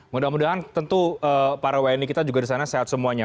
mudah mudahan tentu para wni kita juga di sana sehat semuanya